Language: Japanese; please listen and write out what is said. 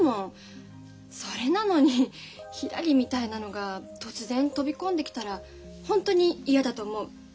それなのにひらりみたいなのが突然飛び込んできたらホントに嫌だと思う。